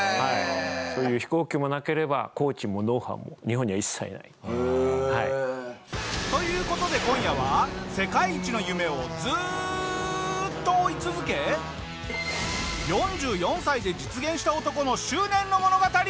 そういう飛行機もなければコーチもノウハウも日本には一切ない。という事で今夜は世界一の夢をずっと追い続け４４歳で実現した男の執念の物語！